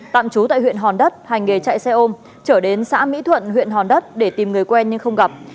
tạm trú tại huyện hòn đất hành nghề chạy xe ôm trở đến xã mỹ thuận huyện hòn đất để tìm người quen nhưng không gặp